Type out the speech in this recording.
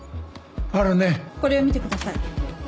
これを見てください。